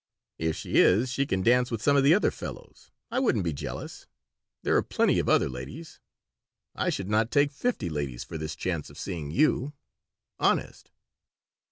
"If she is she can dance with some of the other fellows. I wouldn't be jealous. There are plenty of other ladies. I should not take fifty ladies for this chance of seeing you. Honest."